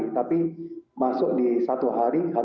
tapi masuk di satu hari h tiga